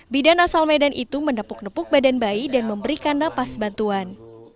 bidan asal medan itu menepuk nepuk badan bayi dan memberikan napas bantuan